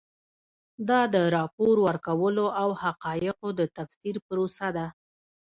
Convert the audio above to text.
دا د راپور ورکولو او حقایقو د تفسیر پروسه ده.